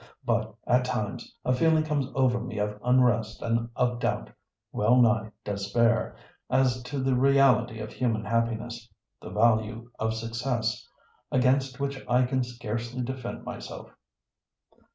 But, at times, a feeling comes over me of unrest and of doubt, well nigh despair, as to the reality of human happiness—the value of success—against which I can scarcely defend myself."